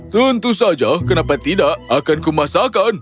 tentu saja kenapa tidak akanku masakan